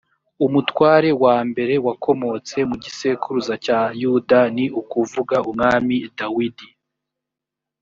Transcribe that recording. umutware wa mbere wakomotse mu gisekuruza cya yuda ni ukuvuga umwami dawidi